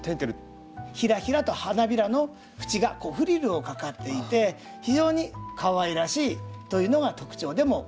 ヒラヒラと花びらの縁がフリルをかかっていて非常にかわいらしいというのが特徴でもあります。